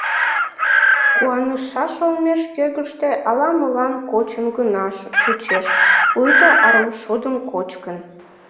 Куанышаш олмеш кӧргыштӧ ала-молан кочын гына чучеш, пуйто арымшудым кочкын.